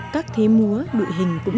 các thế múa đụi hình cũng đều có